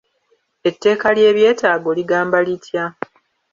Etteeka ly'ebyetaago ligamba litya?